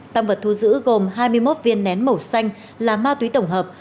tăng vật thu giữ gồm hai mươi một viên nén màu xanh là ma túy tổng hợp